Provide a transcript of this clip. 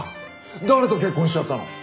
誰と結婚しちゃったの？